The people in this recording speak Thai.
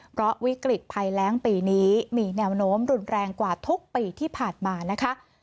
เพราะวิกฤตภัยแรงปีนี้มีแนวโน้มรุนแรงกว่าทุกปีที่ผ่านมานะคะ